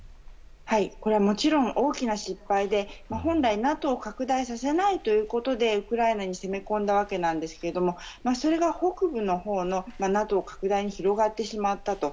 これはもちろん大きな失敗で本来、ＮＡＴＯ拡大させないということでウクライナに攻め込んだわけなんですけれどもそれが北部のほうのＮＡＴＯの拡大が広がってしまったと。